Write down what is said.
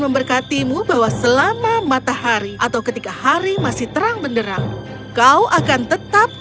memberkatimu bahwa selama matahari atau ketika hari masih terang benderang kau akan tetap